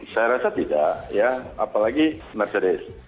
saya rasa tidak ya apalagi mercedes